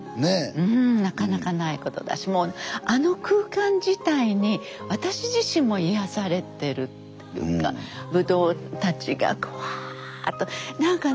うんなかなかないことだしもうあの空間自体に私自身も癒やされてるというかぶどうたちがこうワーッと何かね